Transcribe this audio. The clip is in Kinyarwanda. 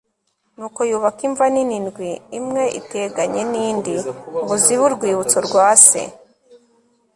nuko yubaka imva nini ndwi, imwe iteganye n'indi, ngo zibe urwibutso rwa se